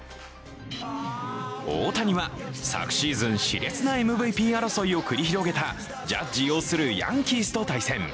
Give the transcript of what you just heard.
大谷は昨シーズン、しれつなＭＶＰ争いを繰り広げたジャッジ擁するヤンキースと対戦。